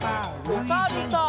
おさるさん。